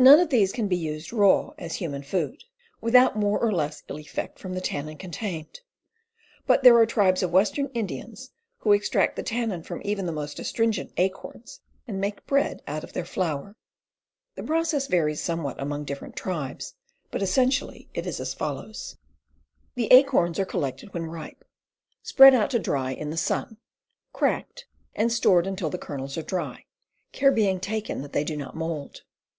None of these can be used raw, as human food, without more or less ill effect from the tannin contained. But there are tribes of western Indians who extract the tannin from even the most astringent acorns and make bread out of their flour. The process varies somewhat among difterent tribes, but essentially it is as follows : WILDERNESS EDIBLE PLANTS 235 The acorns are collected when ripe, spread out to dry in the sun, cracked, and stored until the kernels are dry, care being taken that they do not mold.